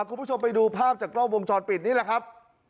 คุณผู้ชมไปดูภาพจากกล้องวงจรปิดนี่แหละครับ